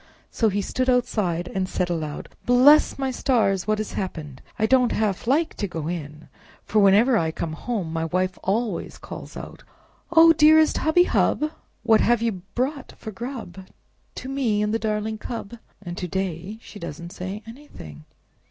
So he stood outside, and said aloud, "Bless my stars! What has happened? I don't half like to go in, for whenever I come home my wife always calls out, 'Oh, dearest hubby hub! What have you brought for grub to me and the darling cub?' and to day she doesn't say anything!"